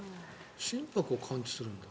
心拍を感知するんだ。